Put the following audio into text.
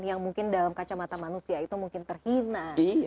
yang mungkin dalam kacamata manusia itu mungkin terhina